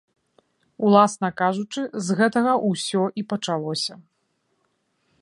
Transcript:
Уласна кажучы, з гэтага ўсё і пачалося.